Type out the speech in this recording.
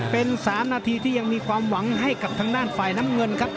เป็น๓นาทีที่ยังมีความหวังให้กับทางด้านฝ่ายน้ำเงินครับ